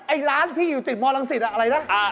ไอ้ร้านที่อยู่ติดมรังสิตอะไรนะ